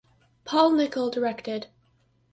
Paul Nickell directed.